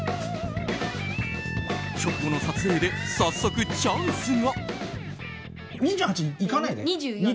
直後の撮影で早速チャンスが。